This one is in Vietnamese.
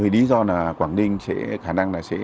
lý do là quảng ninh sẽ khả năng là sẽ